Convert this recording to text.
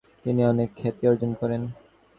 তিনি অনেক খাতি অর্জন করেন।